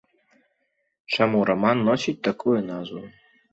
Чаму раман носіць такую назву?